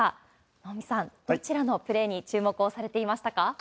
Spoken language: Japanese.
能見さん、どちらのプレーに注目をされていましたか？